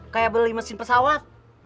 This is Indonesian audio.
kayak beli mesin pesawat